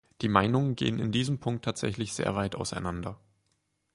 Die Meinungen gehen in diesem Punkt tatsächlich sehr weit auseinander.